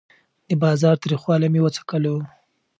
د بازار تریخوالی مې وڅکلو.